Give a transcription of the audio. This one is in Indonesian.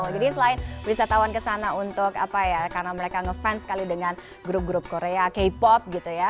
jadi selain wisatawan kesana untuk apa ya karena mereka ngefans sekali dengan grup grup korea k pop gitu ya